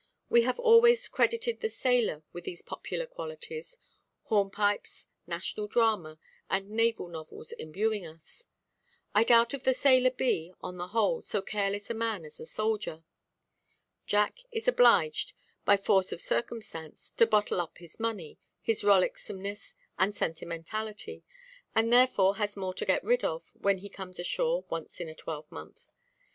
We have always credited the sailor with these popular qualities; hornpipes, national drama, and naval novels imbuing us. I doubt if the sailor be, on the whole, so careless a man as the soldier. Jack is obliged, by force of circumstance, to bottle up his money, his rollicksomeness and sentimentality, and therefore has more to get rid of, when he comes ashore once in a twelvemonth.